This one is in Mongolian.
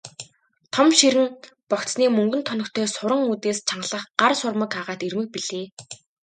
Том ширэн богцны мөнгөн тоногтой суран үдээс чангалах гар сурмаг агаад эрмэг билээ.